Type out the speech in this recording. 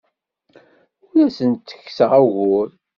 Ur asen-ttekkseɣ ugur.